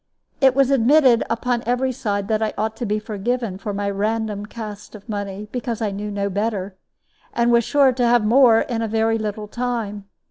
It was admitted upon every side that I ought to be forgiven for my random cast of money, because I knew no better, and was sure to have more in a very little time.